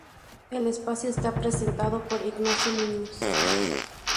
El espacio está presentado por Ignacio Muñoz.